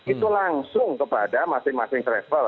itu langsung kepada masing masing travel